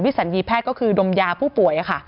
สัญญีแพทย์ก็คือดมยาผู้ป่วยค่ะ